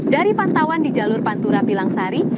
dari pantauan di jalur pantura bilang sari